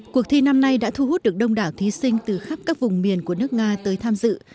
cuộc thi năm nay đã thu hút được đông đảo thí sinh từ khắp các vùng miền của nước nga tới tham dự